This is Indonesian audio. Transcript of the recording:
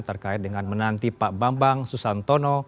terkait dengan menanti pak bambang susantono